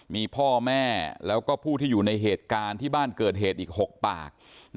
มีพ่อแม่แล้วก็ผู้ที่อยู่ในเหตุการณ์ที่บ้านเกิดเหตุอีก๖ปาก